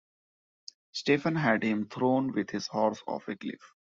Stephen had him thrown with his horse off a cliff.